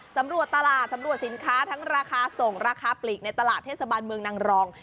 สำรวจตลาดสำรวจสินค้าทั้งราคาส่งราคาปลีกในตลาดเทศบาลเมืองนางรอง